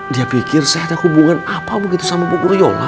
dia pikir saya ada hubungan apa begitu sama bubur yola